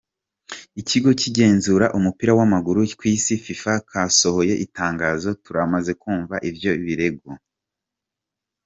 Ikigo kigenzura umupira w'amaguru kw'isi Fifa casohoye itangazo: "Turamaze kwumva ivyo birego.